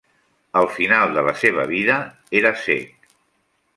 Al final de la seva vida era cec.